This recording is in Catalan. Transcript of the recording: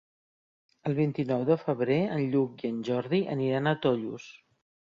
El vint-i-nou de febrer en Lluc i en Jordi aniran a Tollos.